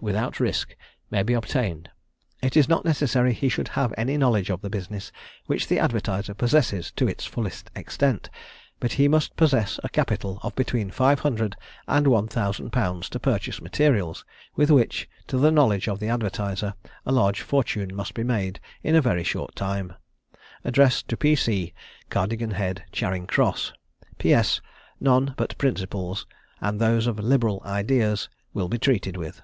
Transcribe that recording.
without risk, may be obtained. It is not necessary he should have any knowledge of the business, which the advertiser possesses to its fullest extent; but he must possess a capital of between five hundred and one thousand pounds to purchase materials, with which, to the knowledge of the advertiser, a large fortune must be made in a very short time. "Address to P. C., Cardigan Head, Charing Cross. "P. S. None but principals, and those of liberal ideas, will be treated with."